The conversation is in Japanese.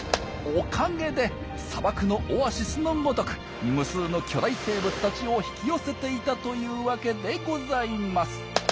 おかげで砂漠のオアシスのごとく無数の巨大生物たちを引き寄せていたというわけでございます！